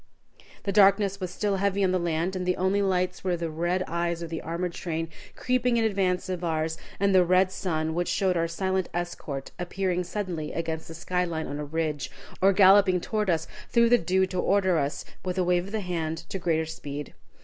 The darkness was still heavy on the land and the only lights were the red eyes of the armored train creeping in advance of ours, and the red sun, which showed our silent escort appearing suddenly against the sky line on a ridge, or galloping toward us through the dew to order us, with a wave of the hand, to greater speed.